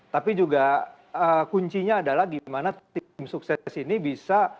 tapi juga kuncinya adalah gimana tim sukses ini bisa